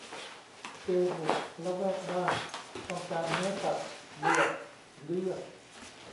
เจบุกละแวกบ้าน ต้องการเนื้อสัตว์ เลือด เลือด